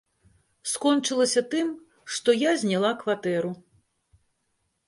Скончылася тым, што я зняла кватэру.